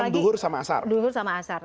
duhur sama asar